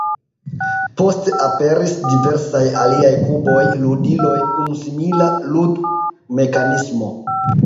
Poste aperis diversaj aliaj kuboj, ludiloj kun simila lud-mekanismo.